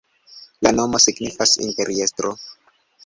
La nomo signifas imperiestro.